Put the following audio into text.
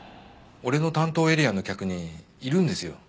俺の担当エリアの客にいるんですよ。